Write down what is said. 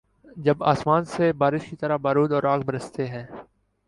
جب آسمان سے بارش کی طرح بارود اور آگ‘ برستے ہیں۔